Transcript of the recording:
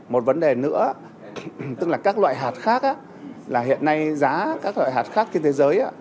một vấn đề nữa tức là các loại hạt khác là hiện nay giá các loại hạt khác trên thế giới